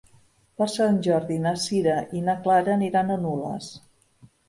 Per Sant Jordi na Sira i na Clara aniran a Nules.